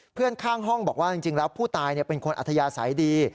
เพื่อนข้างห้องบอกว่าจริงแล้วผู้ตายเป็นคนอัธยาศัยดี